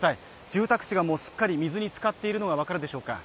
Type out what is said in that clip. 住宅地が水に浸かっているのが分かるでしょうか。